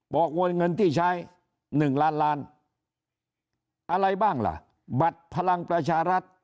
มวลเงินที่ใช้๑ล้านล้านอะไรบ้างล่ะบัตรพลังประชารัฐ